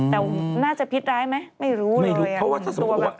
แต่น่าจะพิษร้ายไหมไม่รู้เลยอะไม่รู้เพราะว่าถ้าสมมติว่า